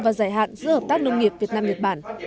và giải hạn giữa hợp tác nông nghiệp việt nam nhật bản